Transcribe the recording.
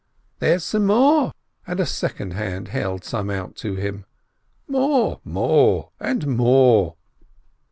"There's some more!" and a second hand held some out to him. "More !" "More !" "And more!"